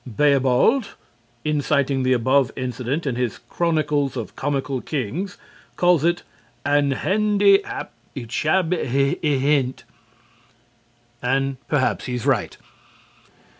Beobald, in citing the above incident in his "Chronicles of Comical Kings," calls it "an hendy hap ichabbe y hent." And perhaps he's right.